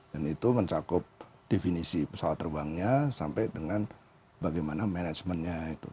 dan itu mencakup definisi pesawat terbangnya sampai dengan bagaimana manajemennya itu